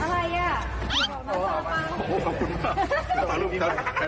ลูกรอบสท้าย